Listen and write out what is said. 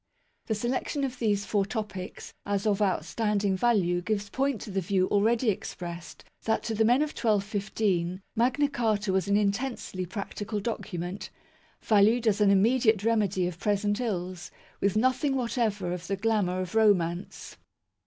The selection of these four topics as of outstanding value gives point to the view already expressed that to the men of 1215 Magna Carta was an intensely practical document, valued as an immediate remedy of present ills, with nothing whatever of the glamour of romance.